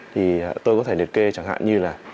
thì tôi có thể liệt kê chẳng hạn như là